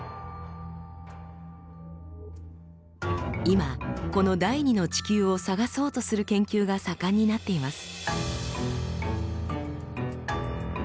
今この第２の地球を探そうとする研究が盛んになっています。